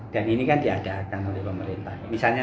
dan ini kan diadakan oleh pemerintah